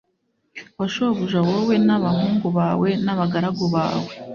wa shobuja wowe n abahungu bawe n abagaragu bawe